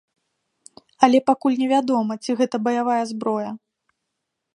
Але пакуль невядома, ці гэта баявая зброя.